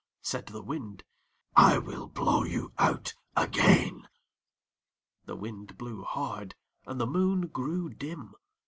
Said the Wind "I will blow you out again." The Wind blew hard, and the Moon grew dim.